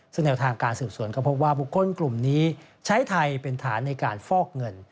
ซึ่งแนวทางการสืบสวนก็พบว่าบุคคลกลุ่มนี้ใช้ไทยเป็นฐานในการฟอกเงิน